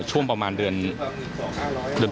ช่วงประมาณเดือน